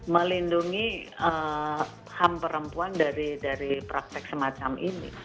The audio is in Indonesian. melindungi ham perempuan dari praktek semacam ini